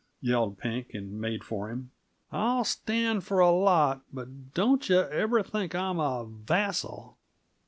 yelled Pink, and made for him "I'll stand for a lot, but don't yuh ever think I'm a vassal!"